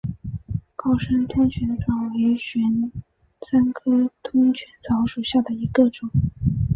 高山通泉草为玄参科通泉草属下的一个种。